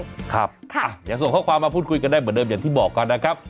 ไปคิ๊กเดี๋ยวส่งข้อความมาพูดคุยกันได้เหมือนเดิมอย่างที่บอกก่อนนะ